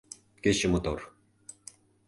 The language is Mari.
Кече мотор.